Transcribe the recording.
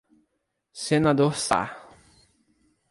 Senador Sá